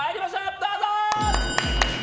どうぞ。